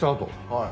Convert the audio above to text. はい。